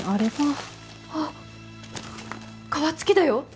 あっ皮付きだよ！